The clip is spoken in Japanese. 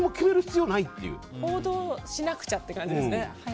行動しなくちゃって感じですね。